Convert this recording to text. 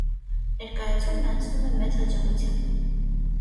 Ներկայացումն անցնում է մեծ հաջողությամբ։